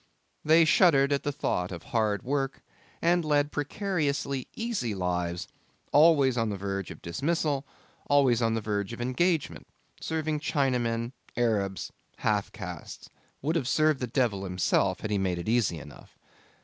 They shuddered at the thought of hard work, and led precariously easy lives, always on the verge of dismissal, always on the verge of engagement, serving Chinamen, Arabs, half castes would have served the devil himself had he made it easy enough.